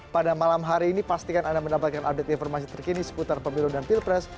pada malam hari ini pastikan anda mendapatkan update informasi terkini seputar pemilu dan pilpres